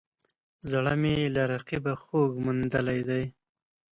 زړه مې له رقیبه خوږ موندلی دی